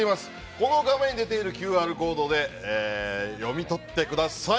この画面に出ているＱＲコードで読み取ってください。